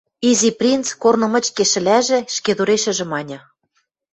Изи принц, корны мыч кешӹлӓжӹ, ӹшкедурешӹжӹ маньы.